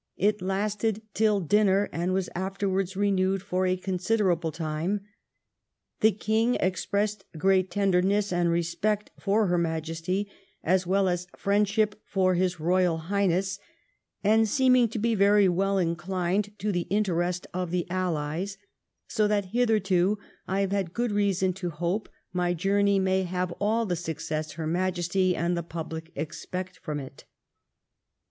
It lasted till dinner, and was afterwards renewed for a considerable time. The king ex pressed great tenderness and respect for her Majesty, as well as friendship for his Eoyal Highness, and seeming to be very well inclined to the interest of the allies ; so that hitherto I have had good reason to hope my journey may have all the success her Majesty and the public expect from it.'